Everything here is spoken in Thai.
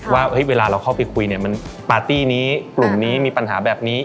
ว่าเวลาเราเข้าไปคุยเนี่ยมันปาร์ตี้นี้กลุ่มนี้มีปัญหาแบบนี้